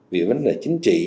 vì vấn đề chính trị